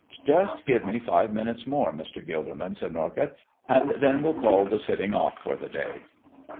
"Just give me five minutes more, Mr. Gilderman," said Norcott, "and then we'll call the sitting off for the day."